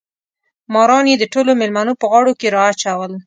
ماران یې د ټولو مېلمنو په غاړو کې راچول.